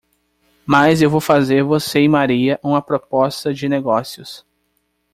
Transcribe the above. Mas eu vou fazer você e Maria uma proposta de negócios.